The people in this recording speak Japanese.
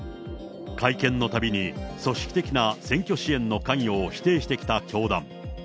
会見のたびに、組織的な選挙支援の関与を否定してきた教団。